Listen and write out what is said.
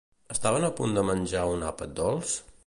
Estaven a punt de menjar un àpat dolç?